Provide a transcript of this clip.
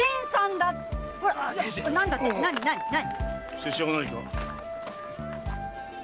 拙者が何か？